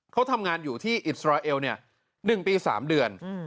เขาทำงานอยู่ที่อิสราเอล๑ปี๓เดือน